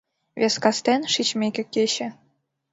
Вес кастен, шичмеке кече